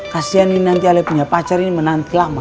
kasian ini nanti kalian punya pacar ini menanti lama